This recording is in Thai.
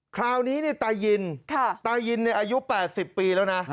คราวนี้เนี่ยตายยินตายยินในอายุ๘๐ปีแล้วนะ